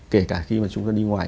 kể cả khi mà chúng ta đi ngoài